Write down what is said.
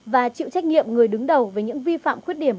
và chịu trách nhiệm người đứng đầu về những vi phạm khuyết điểm